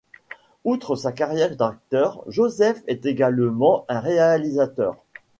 Outre sa carrière d'acteur, Joseph est également un réalisateur.